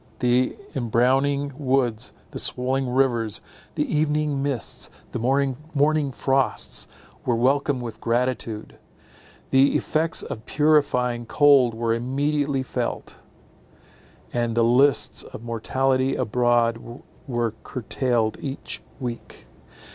The embrowning woods, and swollen rivers, the evening mists, and morning frosts, were welcomed with gratitude. The effects of purifying cold were immediately felt; and the lists of mortality abroad were curtailed each week.